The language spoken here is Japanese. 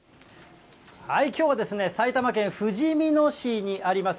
きょうは埼玉県ふじみ野市にあります